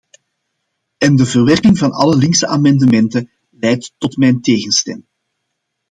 En de verwerping van alle linkse amendementen leidt tot mijn tegenstem.